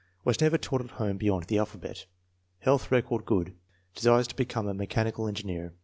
Was never taught at home beyond the alphabet. Health record good. Desires to be come a mechanical engineer.